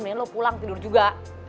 men lo pulang tidur juga